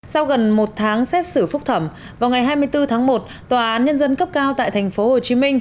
sau gần một tháng xét xử phúc thẩm vào ngày hai mươi bốn tháng một tòa án nhân dân cấp cao tại tp hcm